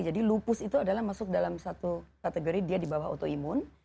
jadi lupus itu adalah masuk dalam satu kategori dia di bawah autoimun